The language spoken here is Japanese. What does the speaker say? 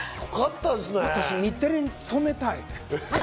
私、日テレに勤めたい。